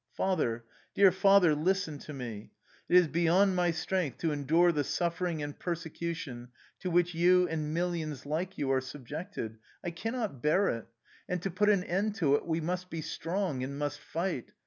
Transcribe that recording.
" Father, dear Father, listen to me. It is be yond my strength to endure the suffering and persecution to which you and millions like you are subjected. I can not bear it. And to put an end to it we must be strong, and must fight.